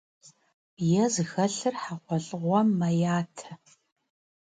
Е зыхэлъыр хьэгъуэлӀыгъуэм мэятэ.